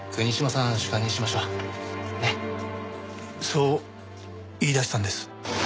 そう言い出したんです。